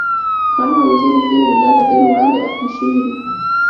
غنم او اوزې نږدې له مېلاده ډېر وړاندې اهلي شول.